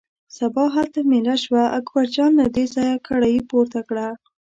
سبا هلته مېله شوه، اکبرجان له دې ځایه کړایی پورته کړه.